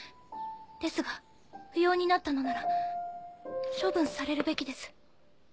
ですが不要になったのなら処分されるべきです。